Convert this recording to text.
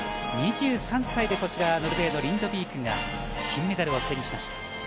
２３歳でノルウェーのリンドビークが金メダルを手にしました。